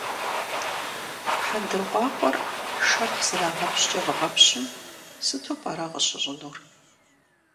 Хьэндыркъуакъуэр шэрхъ зэрагъэпщкӏэ бгъэпщым сыту пӏэрэ къыщыщӏынур?